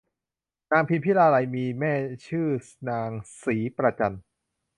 นางพิมพิลาไลยมีแม่ชื่อนางศรีประจัน